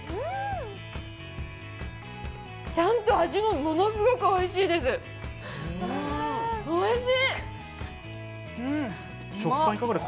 ちゃんと味もものすごくおいしいです。